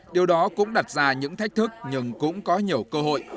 điều đó cũng đặt ra những thách thức nhưng cũng có nhiều cơ hội